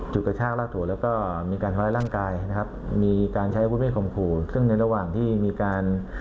กระชากลากถั่วแล้วก็มีการทำร้ายร่างกายนะครับมีการใช้อาวุธไม่ข่มขู่ซึ่งในระหว่างที่มีการ